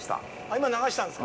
今、流したんですか。